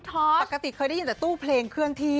ถ้าใครได้ดินแต่ตู้เพลงเคลื่อนที่